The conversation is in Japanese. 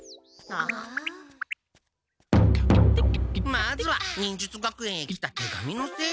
まずは忍術学園へ来た手紙の整理から！